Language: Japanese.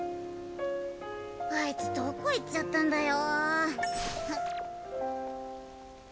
アイツどこ行っちゃったんだよ。